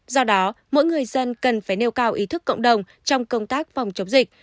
do đó mỗi người dân cần phải nêu cao ý thức cộng đồng trong công tác phòng chống dịch